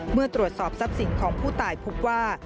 เมื่อตรวจสอบทรัพย์สินของผู้ตายพบว่า